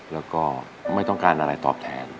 แล้วก็ไม่ต้องการอะไรตอบแทน